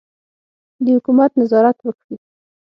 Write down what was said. د حکومت نظارت وکړي.